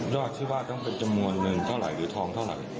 ยอดที่บ้านต้องเป็นจำนวนหนึ่งเท่าไหร่หรือทองเท่าไหร่